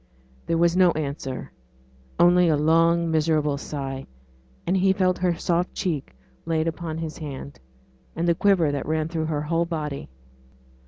There was no answer, only a long miserable sigh, and he felt her soft cheek laid upon his hand, and the quiver that ran through her whole body.